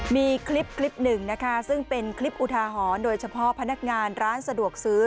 มีคลิปคลิปหนึ่งนะคะซึ่งเป็นคลิปอุทาหรณ์โดยเฉพาะพนักงานร้านสะดวกซื้อ